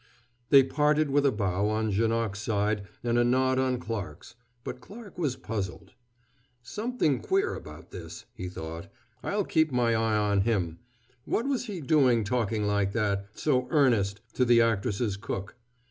They parted with a bow on Janoc's side and a nod on Clarke's; but Clarke was puzzled. "Something queer about this," he thought. "I'll keep my eye on him.... What was he doing talking like that so earnest to the actress's cook?